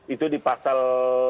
itu di pasal